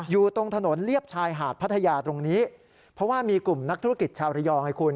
อยู่ตรงถนนเลียบชายหาดพัทยาตรงนี้เพราะว่ามีกลุ่มนักธุรกิจชาวระยองให้คุณ